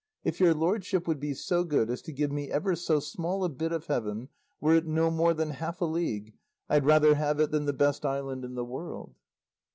If your lordship would be so good as to give me ever so small a bit of heaven, were it no more than half a league, I'd rather have it than the best island in the world."